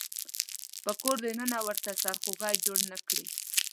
په کور د ننه ورته سرخوږی جوړ نه کړي.